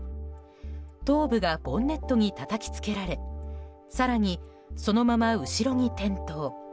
頭部がボンネットにたたきつけられ更に、そのまま後ろに転倒。